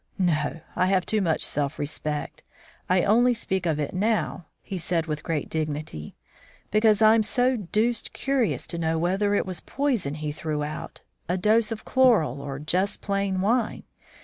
No, I have too much self respect. I only speak of it now," said he with great dignity, "because I'm so deuced curious to know whether it was poison he threw out, a dose of chloral, or just plain wine.